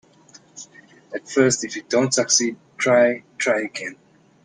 If at first you don't succeed, try, try again.